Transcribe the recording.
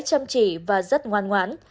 chăm chỉ và rất ngoan ngoãn